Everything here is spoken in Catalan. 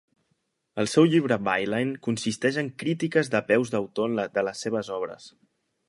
El seu llibre "Byline" consisteix en crítiques de peus d'autor de les seves obres.